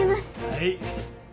はい。